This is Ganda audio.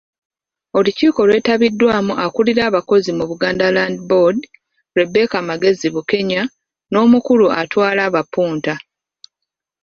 Olukiiko lwetabiddwamu akulira abakozi mu Buganda Land Board, Rebecca Magezi Bukenya n’omukulu atwala abapunta.